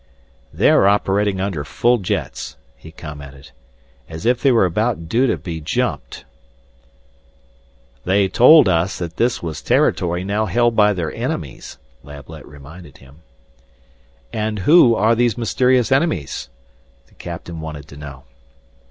"They're operating under full jets," he commented. "As if they were about due to be jumped " "They told us that this was territory now held by their enemies," Lablet reminded him. "And who are these mysterious enemies?" the captain wanted to know.